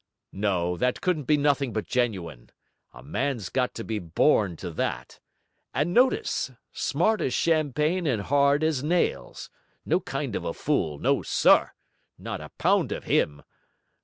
No, that couldn't be nothing but genuine; a man got to be born to that, and notice! smart as champagne and hard as nails; no kind of a fool; no, SIR! not a pound of him!